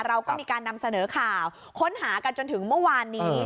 เราก็มีการนำเสนอข่าวค้นหากันจนถึงเมื่อวานนี้